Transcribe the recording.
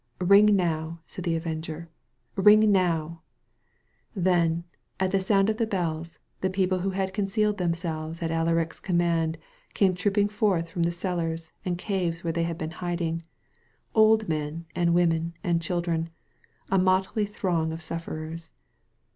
*'Ring now," said the Avenger, "ring now!" Then, at the sound of the bells, the people who had concealed themselves at Alaric's command came trooping forth from the cellars and caves where they had been hiding, — old men and women and children, a motley throng of sufferers.